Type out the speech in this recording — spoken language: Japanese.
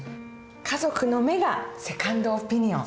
家族の目がセカンドオピニオン。